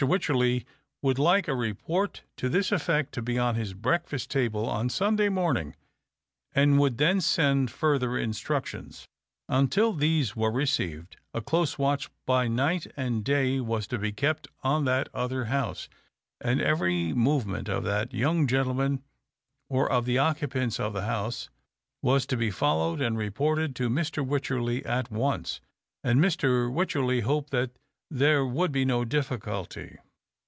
Wycherley would like a report to THE OCTAVE OF CLAUDIUS. 301 this effect to he on his breakfast table on Sunday morning, and would then send further instructions ; until these were received, a close watch by night and day was to be kept on that other house, and every movement of that young gentleman or of the occupants of the house was to be followed and reported to Mr. "Wycherley at once ; and Mr. Wycherley hoped that there would be no difficulty.